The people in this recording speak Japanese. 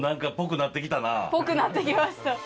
ぽくなってきました。